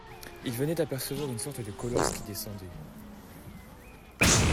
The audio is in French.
Il venait d’apercevoir une sorte de colosse qui descendait.